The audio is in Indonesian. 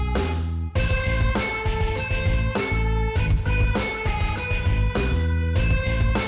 koplok emang saya bukan manusia